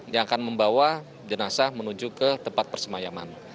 yang akan membawa jenazah menuju ke tempat persemayaman